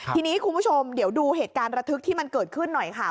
ทีนี้คุณผู้ชมเดี๋ยวดูเหตุการณ์ระทึกที่มันเกิดขึ้นหน่อยค่ะ